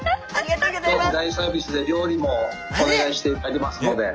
☎今日も大サービスで料理もお願いしてありますので。